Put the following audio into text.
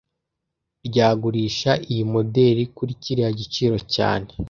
ryagurisha iyi moderi kuri kiriya giciro cyane